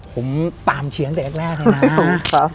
ผมตามเชียร์ตั้งแต่แรกเลยนะ